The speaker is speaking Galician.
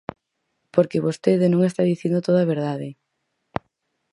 Porque vostede non está dicindo toda a verdade.